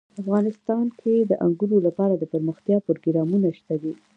افغانستان کې د انګورو لپاره دپرمختیا پروګرامونه شته دي.